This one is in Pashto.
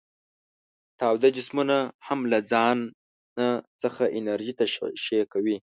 تاوده جسمونه هم له ځانه څخه انرژي تشعشع کوي.